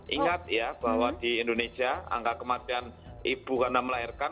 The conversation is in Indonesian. ingat ya bahwa di indonesia angka kematian ibu karena melahirkan